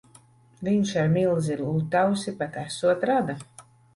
Viņš ar milzi Lutausi pat esot rada.